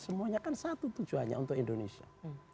semuanya kan satu tujuannya untuk indonesia